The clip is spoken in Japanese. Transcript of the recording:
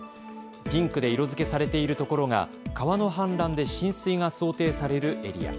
ピンクで色づけされているところが川の氾濫で浸水が想定されるエリア。